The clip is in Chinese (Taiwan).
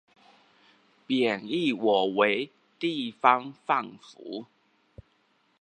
貶抑我為地方放府